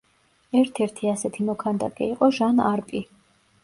ერთ-ერთი ასეთი მოქანდაკე იყო ჟან არპი.